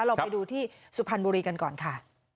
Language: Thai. เราไปดูที่สุพรรณบุรีกันก่อนค่ะ